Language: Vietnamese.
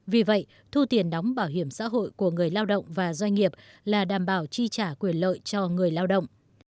vì vậy thu tiền đóng bảo hiểm xã hội của người lao động và doanh nghiệp là đảm bảo chi trả quyền lợi cho người lao động